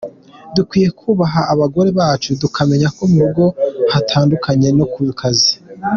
Dukwiye kubaha abagore bacu tukamenya ko mu rugo hatandukanye no ku kazi!”.